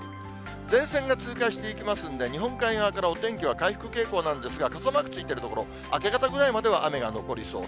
前線が通過していきますんで、日本海側からお天気は回復傾向なんですが、傘マークついている所、明け方ぐらいまでは雨が残りそう。